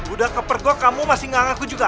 udah kepergok kamu masih gak ngaku juga